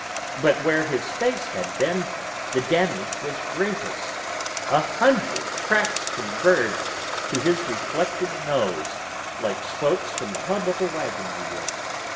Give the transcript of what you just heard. But where his face had been the damage was greatest a hundred cracks converged to his reflected nose, like spokes from the hub of a wagon wheel.